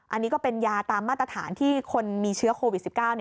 อันนี้ก็เป็นยาตามมาตรฐานที่คนมีเชื้อโควิด๑๙